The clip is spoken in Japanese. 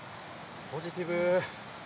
ポジティブ。